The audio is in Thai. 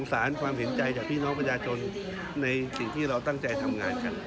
สารความเห็นใจจากพี่น้องประชาชนในสิ่งที่เราตั้งใจทำงานกัน